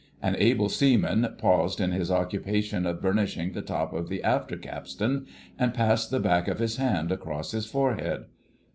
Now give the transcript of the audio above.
An Able Seaman paused in his occupation of burnishing the top of the after capstan, and passed the back of his hand across his forehead.